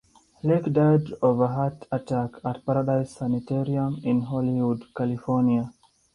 Lake died of a heart attack at Paradise Sanitarium in Hollywood, California.